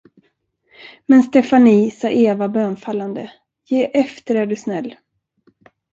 Men Stefanie, sade Eva bönfallande, ge efter, är du snäll!